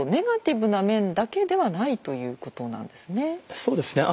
そうですね。